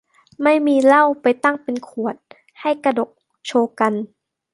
ไม่มีเหล้าไปตั้งเป็นขวด ให้กระดกโชว์กัน